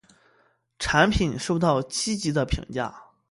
产品收到积极的评价。